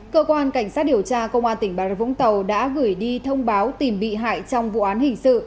cơ quan cảnh sát điều tra công an tỉnh bà rập vũng tàu đã gửi đi thông báo tìm bị hại trong vụ án hình sự